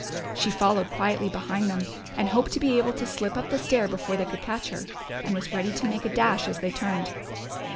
She followed quietly behind them and hoped to be able to slip up the stair before they could catch her, and was ready to make a dash as they turned.